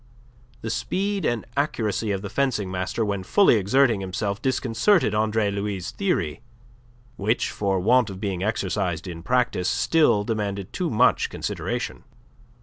The speed and accuracy of the fencing master when fully exerting himself disconcerted Andre Louis' theory, which for want of being exercised in practice still demanded too much consideration.